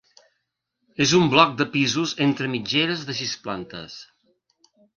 És un bloc de pisos entre mitgeres de sis plantes.